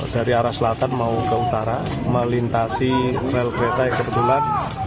dari arah selatan mau ke utara melintasi rel kereta yang kebetulan